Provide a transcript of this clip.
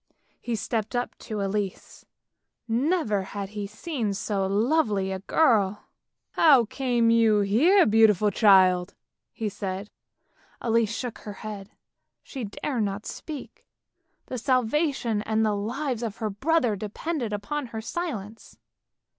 He stepped up to Elise : never had he seen so lovely a girl. " How came you here, beautiful child? " he said. Elise shook her head; she dared not speak; the salvation and the lives of her brothers depended upon her silence.